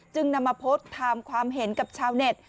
นำมาโพสต์ถามความเห็นกับชาวเน็ต